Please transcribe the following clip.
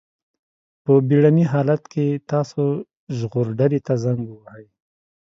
په بېړني حالت کې تاسو ژغورډلې ته زنګ ووهئ.